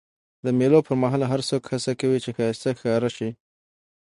د مېلو پر مهال هر څوک هڅه کوي، چي ښایسته ښکاره سي.